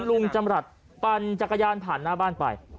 ลุงจำรัฐปั่นจักรยานผ่านหน้าบ้านไป